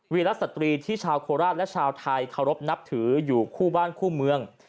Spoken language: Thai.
รัฐสตรีที่ชาวโคราชและชาวไทยเคารพนับถืออยู่คู่บ้านคู่เมือง